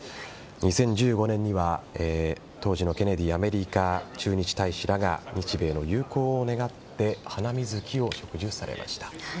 ２０１５年には当時のケネディアメリカ駐日大使らが日米の友好を願ってハナミズキを植樹されました。